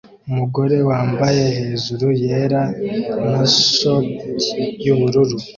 Umugabo wambaye hejuru yera na shorti yubururu